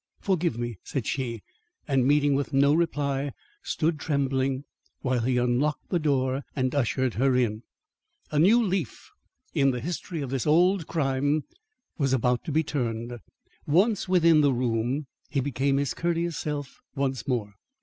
"Forgive me," said she; and meeting with no reply, stood trembling while he unlocked the door and ushered her in. A new leaf in the history of this old crime was about to be turned. Once within the room, he became his courteous self once more.